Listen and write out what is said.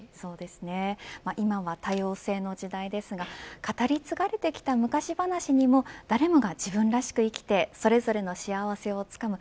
今は多様性の時代ですが語り継がれてきた昔話にも誰もが自分らしく生きてそれぞれの幸せをつかむ